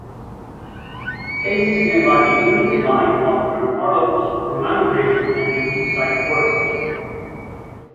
Places nearby include the Lyne Water, Carlops, Romannobridge, and the Deepsyke Forest.